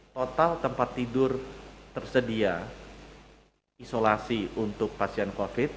total tempat tidur tersedia isolasi untuk pasien covid